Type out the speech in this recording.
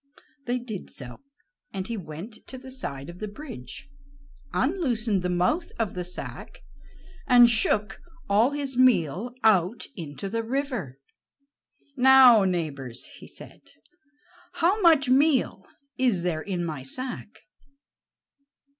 They did so, and he went to the side of the bridge, unloosened the mouth of the sack, and shook all his meal out into the river. "Now, neighbors," he said, "how much meal is there in my sack?"